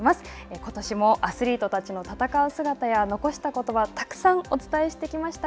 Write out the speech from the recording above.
ことしも、アスリートたちの戦う姿や残したことばたくさんお伝えしてきました。